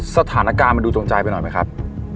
สถานการณ์มันดูจงใจไปหน่อยไหมครับ